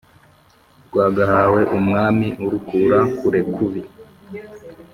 rwagahawe umwami urukura kure kubi